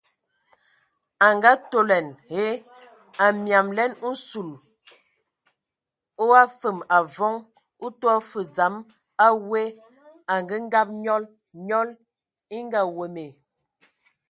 A ngaatolɛn hə,a miamlɛn nsul o afəm avɔŋ o tɔ fə dzam a we angəngab nyɔl, nyɔl e ngaweme.